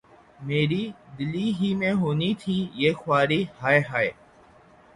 میری‘ دلی ہی میں ہونی تھی یہ خواری‘ ہائے ہائے!